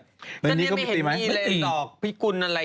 ก็เนี่ยไม่เห็นมีเรทออกพิกุลอะไร